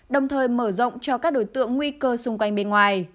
đồng thời mở rộng cho các đối tượng nguy cơ xung quanh bên ngoài